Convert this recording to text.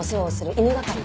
犬係！？